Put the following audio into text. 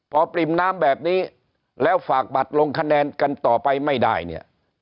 พอปริ่มน้ำแบบนี้แล้วฝากบัตรลงคะแนนกันต่อไปไม่ได้เนี่ย